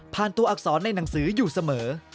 ตัวอักษรในหนังสืออยู่เสมอ